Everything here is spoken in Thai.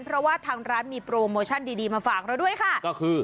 เพราะว่าทางร้านมีโปรโมชั่นดีดีมาฝากเราด้วยค่ะก็คือ